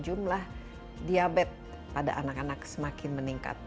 jumlah diabetes pada anak anak semakin meningkat